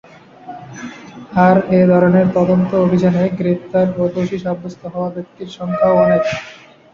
আর এ ধরনের তদন্ত অভিযানে গ্রেফতার ও দোষী সাব্যস্ত হওয়া ব্যক্তির সংখ্যাও অনেক।